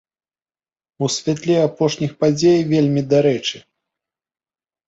У святле апошніх падзей вельмі дарэчы!